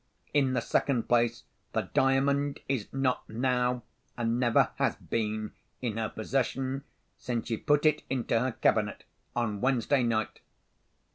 In the second place, the Diamond is not now, and never has been, in her possession, since she put it into her cabinet on Wednesday night.